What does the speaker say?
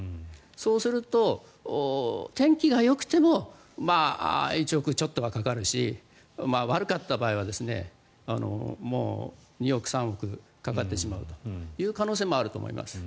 そうすると、天気がよくても１億ちょっとはかかるし悪かった場合は２億、３億かかってしまうという可能性もあると思います。